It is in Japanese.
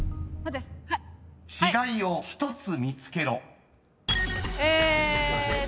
［違いを１つ見つけろ］え。